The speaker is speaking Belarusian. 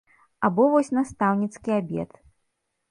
Або вось настаўніцкі абед.